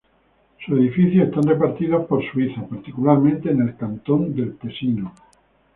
Sus edificios están repartidos por Suiza, particularmente en el cantón del Tesino.